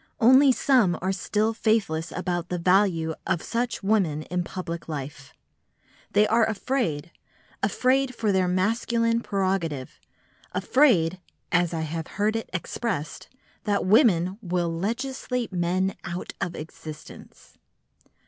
Only some are still faithless about the value of such women in public life. They are afraid, afraid for their masculine prerogative, afraid (as I have heard it expressed) that women "will legislate men out of existence."